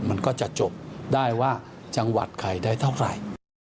มันก็จะจบได้ว่าจังหวัดใครได้เท่าไหร่